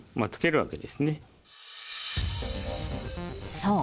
［そう。